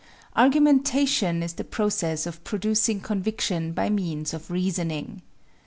Argumentation is the process of producing conviction by means of reasoning.